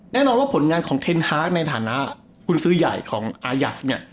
แน่นอนว่าผลงานของเทนฮาร์กในฐานะกุญซื้อใหญ่ของอายัสเนี่ย